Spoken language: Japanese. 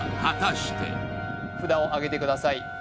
果たして札をあげてください